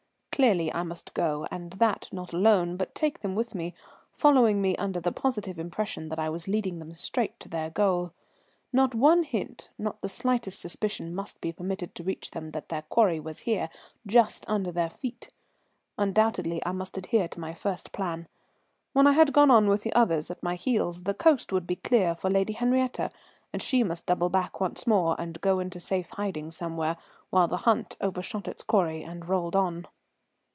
Clearly I must go, and that not alone, but take them with me, following me under the positive impression that I was leading them straight to their goal. Not one hint, not the slightest suspicion must be permitted to reach them that their quarry was here, just under their feet. Undoubtedly I must adhere to my first plan. When I had gone on with the others at my heels, the coast would be clear for Lady Henriette, and she must double back once more and go into safe hiding somewhere, while the hunt overshot its quarry and rolled on.